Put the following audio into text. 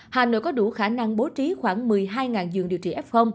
hà nội có đủ khả năng bố trí khoảng một mươi hai giường điều trị f